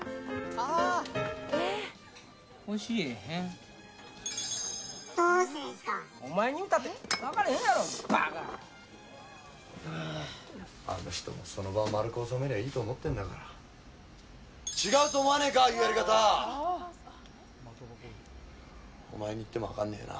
あの人もその場を丸く収めりゃいいと思ってんだから違うと思わねえかああいうやり方お前にいってもわかんねえよな